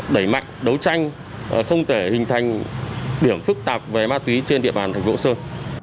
đẩy mạnh đấu tranh không để hình thành điểm phức tạp về ma túy trên địa bàn thành phố sơn